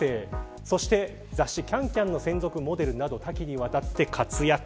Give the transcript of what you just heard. そして雑誌ＣａｎＣａｍの専属モデルなど多岐にわたって活躍。